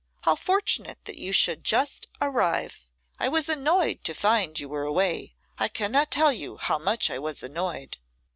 How fortunate that you should just arrive! I was annoyed to find you were away. I cannot tell you how much I was annoyed!